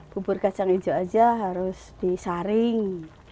bubur kacang hijau aja harus disaring